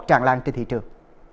tràn lan trên thị trường